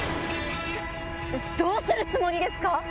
どうするつもりですか？